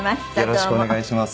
よろしくお願いします。